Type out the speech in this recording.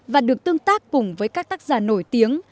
và được tương tác cùng với các tác giả nổi tiếng